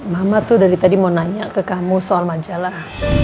mama tuh dari tadi mau nanya ke kamu soal majalah